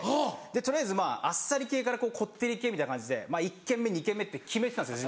取りあえずあっさり系からこってり系みたいな感じで１軒目２軒目って決めてたんです